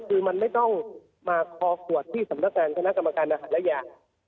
คือมันไม่ต้องมาขอตรวจที่สำนักงานคณะกรรมการอาหารและยา